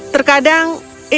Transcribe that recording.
terkadang ini tentang diri